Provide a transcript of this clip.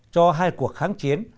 cho hai cuộc kháng chiến